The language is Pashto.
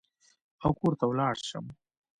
او کور ته ولاړ شم.